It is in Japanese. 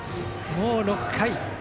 もう６回。